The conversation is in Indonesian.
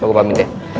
mbak aku pamit ya